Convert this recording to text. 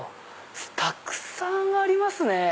たくさんありますね！